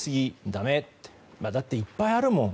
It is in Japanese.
だって、衣類いっぱいあるもん。